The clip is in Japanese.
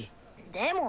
でも。